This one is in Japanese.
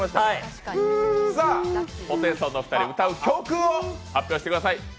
東京ホテイソンが歌う曲を発表してください。